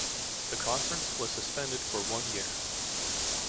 The Conference was suspended for one year.